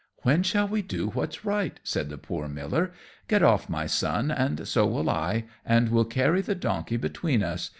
"When shall we do what's right?" said the poor Miller. "Get off, my Son, and so will I, and we'll carry the donkey between us.